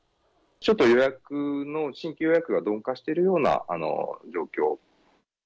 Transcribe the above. ちょっと予約の新規予約が鈍化しているような状況。